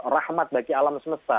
rahmat bagi alam semesta